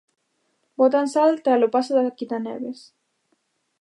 Botan sal tralo paso da quitaneves.